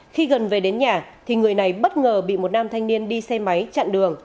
khi gần về đến nhà thì người này bất ngờ bị một nam thanh niên đi xe máy chặn đường